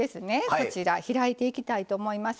こちら開いていきたいと思います。